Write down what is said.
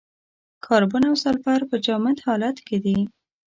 کاربن او سلفر په جامد حالت کې دي.